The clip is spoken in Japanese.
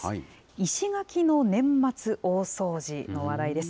石垣の年末大掃除の話題です。